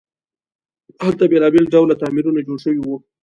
هلته بیلابیل ډوله تعمیرونه جوړ شوي وو.